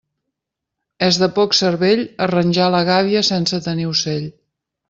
És de poc cervell arranjar la gàbia sense tenir ocell.